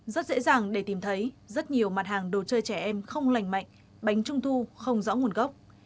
rất dễ dàng để tìm thấy rất nhiều mặt hàng đồ chơi trẻ em không lành mạnh bánh trung thu không rõ nguồn gốc